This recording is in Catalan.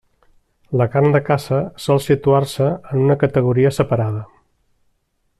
La carn de caça sol situar-se en una categoria separada.